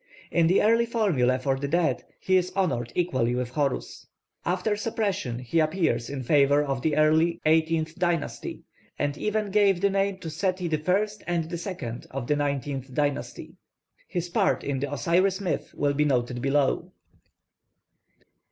In the early formulae for the dead he is honoured equally with Horus. After suppression he appears in favour in the early eighteenth dynasty; and even gave the name to Sety I and II of the nineteenth dynasty. His part in the Osiris myth will be noted below.